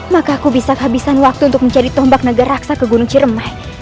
maka aku bisa kehabisan waktu untuk mencari tombak naga raksa ke gunung cirema